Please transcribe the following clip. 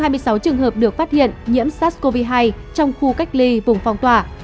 trong hai mươi sáu trường hợp được phát hiện nhiễm sars cov hai trong khu cách ly vùng phong tỏa